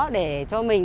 để cho mình